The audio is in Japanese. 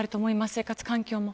生活環境も。